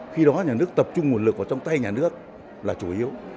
khi đó nhà nước tập trung nguồn lực vào trong tay nhà nước là chủ yếu